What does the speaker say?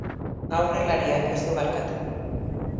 Aurrelariak ez du barkatu.